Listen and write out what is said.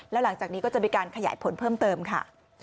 แล้วหลังจากนี้ก็จะมีการขยายผลเพิ่มเติมค่ะ